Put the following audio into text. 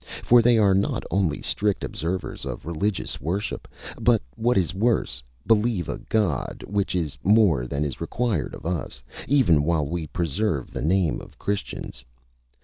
For they are not only strict observers of religions worship, but what is worse, believe a God; which is more than is required of us, even while we preserve the name of Christians.